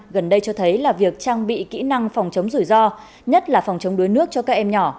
gần đây cho thấy là việc trang bị kỹ năng phòng chống rủi ro nhất là phòng chống đuối nước cho các em nhỏ